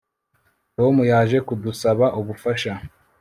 Tom yaje kudusaba ubufasha